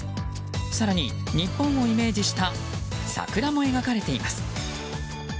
更に日本をイメージした桜も描かれています。